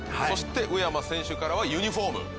そして宇山選手からはユニホーム。